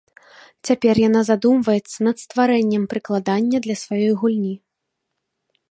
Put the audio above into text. Цяпер яна задумваецца над стварэннем прыкладання для сваёй гульні.